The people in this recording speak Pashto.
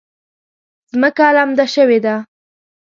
ځمکه لمده شوې ده